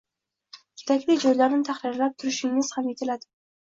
kerakli joylarini tahrirlab turishingiz talab etiladi